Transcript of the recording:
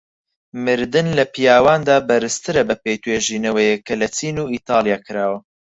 مردن لە پیاواندا بەرزترە بەپێی توێژینەوەک کە لە چین و ئیتاڵیا کراوە.